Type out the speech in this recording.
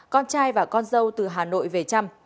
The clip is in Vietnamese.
con trai và con dâu từ hà nội về chăm